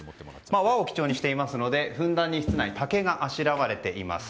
和を基調にしていますのでふんだんに室内竹があしらわれています。